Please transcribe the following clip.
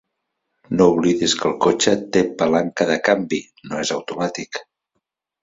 No oblidis que el cotxe té palanca de canvi; no és automàtic.